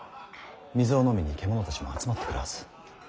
水を飲みに獣たちも集まってくるはず。